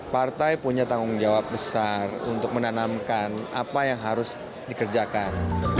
partai punya tanggung jawab besar untuk menanamkan apa yang harus dikerjakan